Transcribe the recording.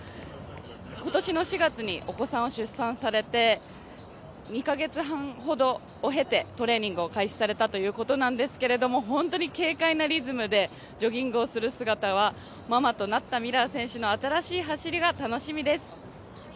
今年の４月にお子さんを出産されて２か月半を経て、トレーニングを開始されたということなんですけど、本当に軽快なリズムでジョギングをする姿はママとなったミラー選手の新しい走りが楽しみです。